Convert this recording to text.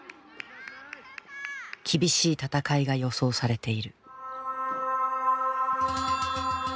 厳しい戦いが予想されている。